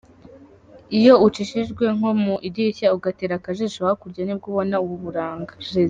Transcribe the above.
Iyo ucishijishe nko mu idirishya ugatera akajisho hakurya nibwo ubona ubu buranga.